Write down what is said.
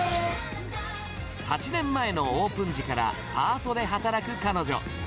８年前のオープン時からパートで働く彼女。